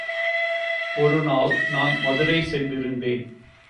ஒருநாள் நான் மதுரை சென்றிருந்தேன்.